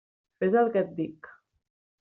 Fes el que et dic.